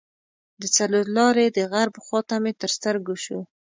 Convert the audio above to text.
د څلور لارې د غرب خواته مې تر سترګو شو.